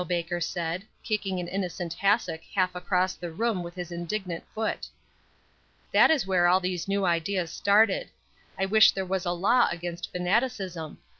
Baker said, kicking an innocent hassock half across the room with his indignant foot. "That is where all these new ideas started. I wish there was a law against fanaticism.